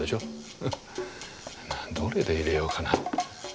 どれでいれようかな。